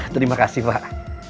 terima kasih pak